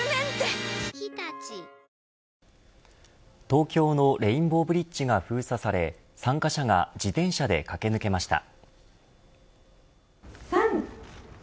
東京のレインボーブリッジが封鎖され参加者が自転車で駆け抜けました。